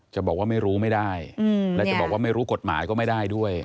จะบอกว่าไม่รู้ไม่ได้และจะบอกว่าไม่รู้กฎหมายก็ไม่ได้ด้วย